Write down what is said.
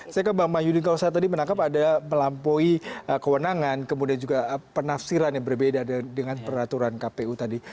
saya ke bang mahyudin kalau saya tadi menangkap ada melampaui kewenangan kemudian juga penafsiran yang berbeda dengan peraturan kpu tadi